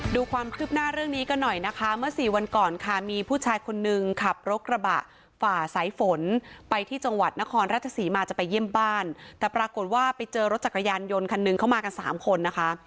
ดูความคืบหน้าเรื่องนี้กันหน่อยนะคะเมื่อสี่วันก่อนค่ะมีผู้ชายคนนึงขับรถกระบะฝ่าสายฝนไปที่จังหวัดนครราชศรีมาจะไปเยี่ยมบ้านแต่ปรากฏว่าไปเจอรถจักรยานยนต์คันหนึ่งเข้ามากันสามคนนะคะ